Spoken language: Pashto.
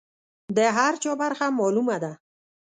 د هر چا برخه معلومه شوه.